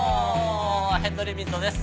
ヘッドリミットです。